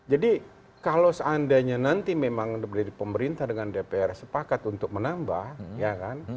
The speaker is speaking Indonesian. jadi kalau seandainya nanti memang pemerintah dengan dprd sepakat untuk menambah